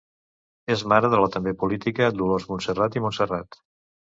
És mare de la també política Dolors Montserrat i Montserrat.